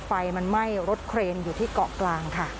ไฟมันไหม้รถเครนอยู่ที่เกาะกลางค่ะ